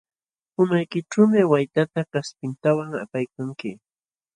Umaykićhuumi waytata kaspintawan apaykanki.